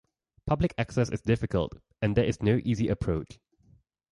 Public access is difficult, and there is no easy approach.